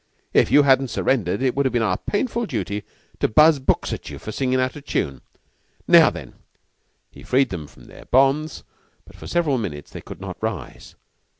"If you hadn't surrendered it would have been our painful duty to buzz books at you for singin' out o' tune. Now then." He freed them from their bonds, but for several minutes they could not rise.